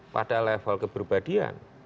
pada level keberbadian